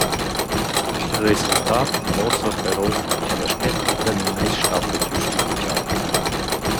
Il resultat muossa però cha la skeptica nun es statta güstifichada.